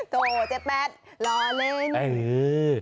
โถเจ๊แปดรอเล่น